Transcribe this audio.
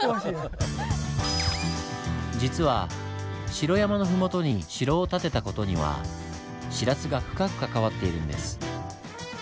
実は城山の麓に城を建てた事にはシラスが深く関わっているんです。